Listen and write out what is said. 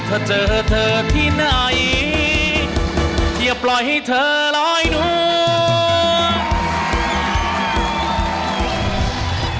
ถ้าเจอเธอที่ไหนอย่าปล่อยให้เธอร้อยนู่น